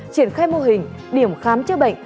triển khai mô hình điểm khám chữa bệnh